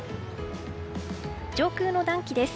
上空の暖気です。